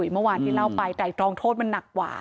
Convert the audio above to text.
พี่อุ๋ยเมื่อวานที่เล่าไปแต่รองโทษมันหนักกว่า